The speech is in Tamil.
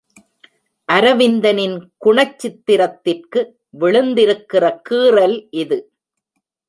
அரவிந்தனின் குணச்சித்திரத்திற்கு விழுந்திருக்கிற கீறல் இது.